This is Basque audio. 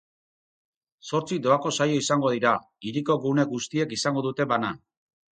Zortzi doako saio izango dira, hiriko gune guztiek izango dute bana.